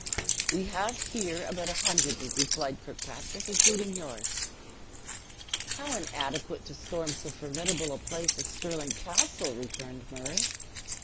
"We have here about a hundred," replied Kirkpatrick, "including yours." "How inadequate to storm so formidable a place as Stirling Castle!" returned Murray.